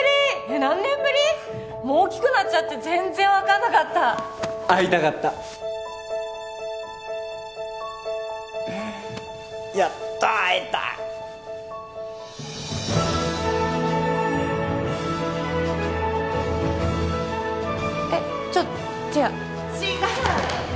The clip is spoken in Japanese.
えっ何年ぶり？大きくなっちゃって全然分かんなかった会いたかったやっと会えたえっちょっと違う違う！